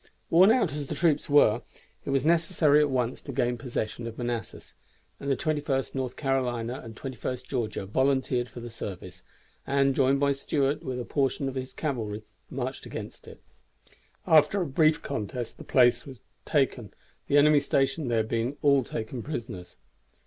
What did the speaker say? Worn out as the troops were, it was necessary at once to gain possession of Manassas, and the 21st North Carolina and 21st Georgia volunteered for the service, and, joined by Stuart with a portion of his cavalry, marched against it. After a brief contest the place was taken, the enemy stationed there being all taken prisoners.